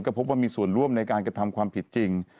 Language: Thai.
ก็พบว่ามีส่วนร่วมในการกระทำความผิดจริง